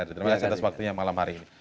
terima kasih atas waktunya malam hari ini